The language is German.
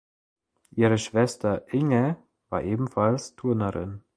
Ihre Schwester "Inge" war ebenfalls Turnerin.